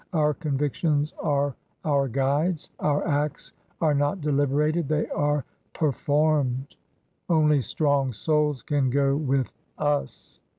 Our convic tions are our guides, our acts are not deliberated — they are performed. Only strong souls can go with us.''